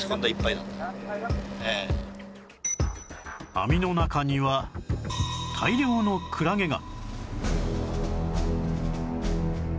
網の中には大量のクラゲが